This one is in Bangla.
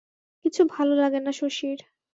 কিছু ভালো লাগে না শশীর।